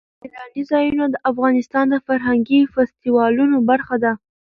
سیلانی ځایونه د افغانستان د فرهنګي فستیوالونو برخه ده.